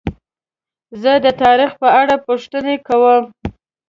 زه د تاریخ په اړه پوښتنې کوم.